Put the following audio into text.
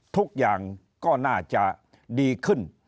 ทุกอย่างก็น่าจะดีขึ้น